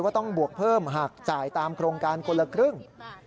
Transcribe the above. ต้องบวกเพิ่มหากจ่ายตามโครงการคนละครึ่ง